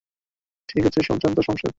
ঠিক আছে, সব জান্তা শমশের!